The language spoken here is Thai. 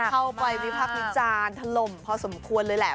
เข้าไปวิภาคมิจารณ์ทะลมพอสมควรเลยแหละ